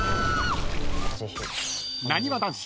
［なにわ男子